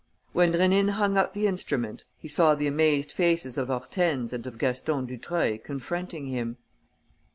When Rénine hung up the instrument, he saw the amazed faces of Hortense and of Gaston Dutreuil confronting him.